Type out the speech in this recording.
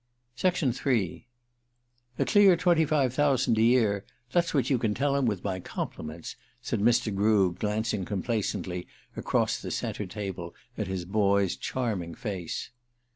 III "A CLEAR twenty five thousand a year: that's what you can tell 'em with my compliments," said Mr. Grew, glancing complacently across the centre table at his boy's charming face.